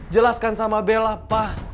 jelaskan sama bella pak